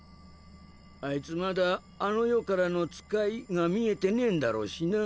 あいつまだ「あの世からの使い」が見えてねえんだろうしなぁ。